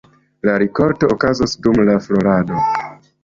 La rikolto okazas dum la florado.